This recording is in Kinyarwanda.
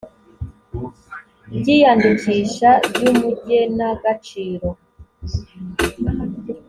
ry iyandikisha ry umugenagaciro